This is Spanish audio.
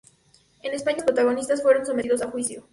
En España los protagonistas fueron sometidos a juicio.